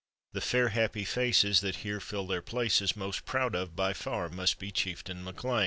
The fair happy faces that here fill their places Most proud of by far must be Chieftain MacLean.